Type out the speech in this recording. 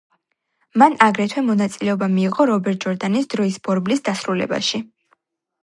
მან აგრეთვე მონაწილეობა მიიღო რობერტ ჯორდანის „დროის ბორბლის“ დასრულებაში.